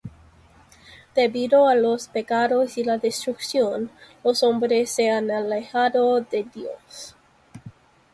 Debido a los pecados y la destrucción, los hombres se han alejado de Dios.